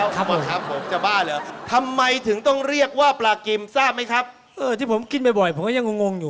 กินแล้วซึ่งจะหากินยากหน่อย